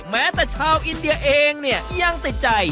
แม้แต่ชาวอินเดียเองเนี่ยยังติดใจ